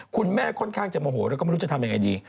คุณแม่ค่อนข้างจะโมโหแล้วก็ไม่รู้จะทำยังไงดี